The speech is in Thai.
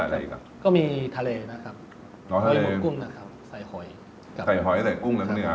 ใช้กระดูกหมู